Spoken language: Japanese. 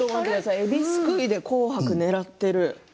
えびすくいで「紅白」を狙っている。